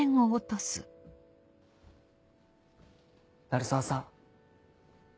鳴沢さん。